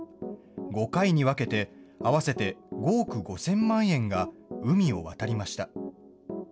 ５回に分けて、合わせて５億５０００万円が、海を渡りました。